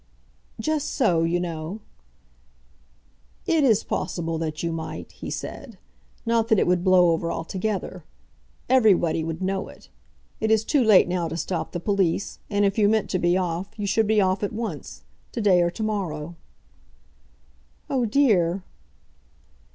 "Just so, you know." "It is possible that you might," he said. "Not that it would blow over altogether. Everybody would know it. It is too late now to stop the police, and if you meant to be off, you should be off at once; to day or to morrow." "Oh dear!"